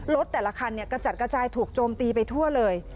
แต่ละคันกระจัดกระจายถูกโจมตีไปทั่วเลย